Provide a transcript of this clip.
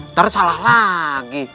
ntar salah lagi